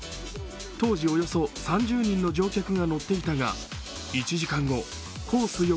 当時およそ３０人の乗客が乗っていたが１時間後、コース